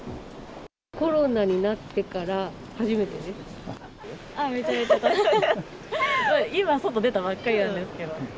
コロナになってから初めてで今、外出たばっかりなんですけど。